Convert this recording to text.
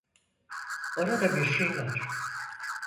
Orada bir şey var.